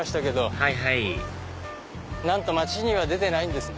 はいはいなんと街には出てないんですね。